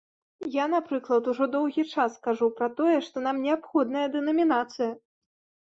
Я, напрыклад, ужо доўгі час кажу пра тое, што нам неабходная дэнамінацыя.